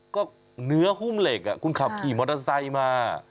ก็เนื้อหุ้มเหล็กคุณขับขี่มอเตอร์ไซค์มา